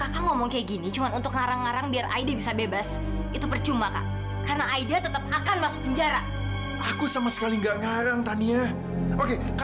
sampai jumpa di video selanjutnya